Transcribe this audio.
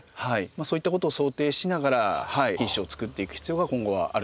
そういったことを想定しながら品種をつくっていく必要が今後はあると思います。